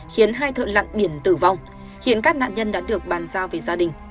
khiến hai thợ lặn biển tử vong khiến các nạn nhân đã được bàn giao về gia đình